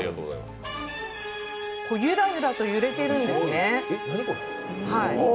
ゆらゆらと揺れているんですね。